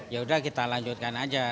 ya udah kita lanjutkan aja